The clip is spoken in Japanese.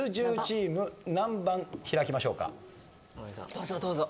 どうぞどうぞ。